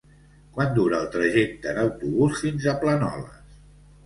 Quant dura el trajecte en autobús fins a Planoles?